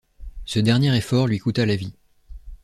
Ce dernier effort lui coûta la vie.